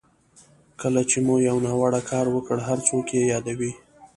کله چې مو یو ناوړه کار وکړ هر څوک یې یادوي.